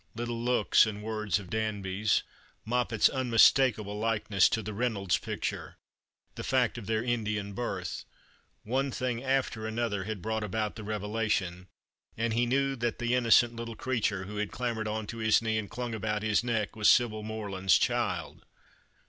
Little looks and words of Danby's, Moppet's unmistakable likeness to the Reynolds picture, the fact of their Indian birth— one thing after another had brought about the revelation, and he knew that the innocent little creature who had clambered on to his knee and clung about his neck was Sibyl Morland's child.